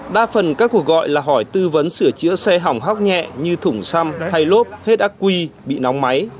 đa phần các cuộc gọi là hỏi tư vấn sửa chữa xe hỏng hóc nhẹ như thủng xăm thay lốp hết acqui bị nóng máy v v